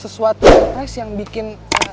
sesuatu surprise yang bikin